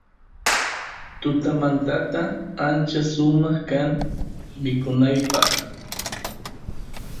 tutamanta ancha sumaq kan mikunapaq